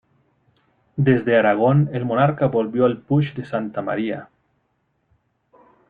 Desde Aragón, el monarca volvió al Puig de Santa María.